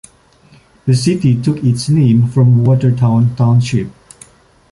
The city took its name from Watertown Township.